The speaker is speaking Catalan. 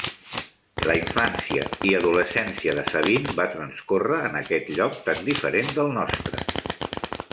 La infància i adolescència de Sabine va transcórrer en aquest lloc tan diferent del nostre.